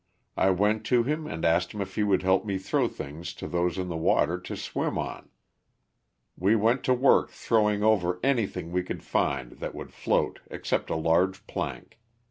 I went to him and asked him if he would help me throw things to those in the water to swim on. We went to work throwing over anything we could find that would float excepting a large plank.